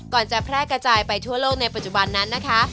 จะแพร่กระจายไปทั่วโลกในปัจจุบันนั้นนะคะ